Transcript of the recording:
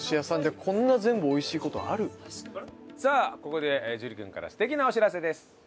さあここで樹君から素敵なお知らせです。